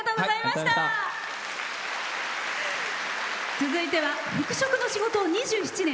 続いては服飾の仕事を２７年。